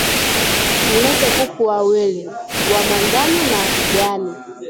Ulete kuku wawili, wa manjano na kijani